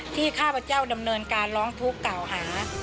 ข้าพเจ้าดำเนินการร้องทุกข์เก่าหา